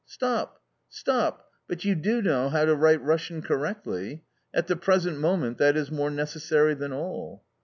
" Stop, stop ! but you know how to write Russian correctly ? At the present moment that is more necessary than all."